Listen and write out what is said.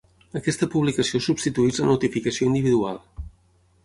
Aquesta publicació substitueix la notificació individual.